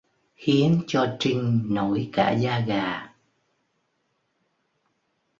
Khiến cho Trinh nổi cả da gà